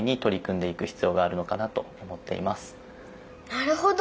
なるほど！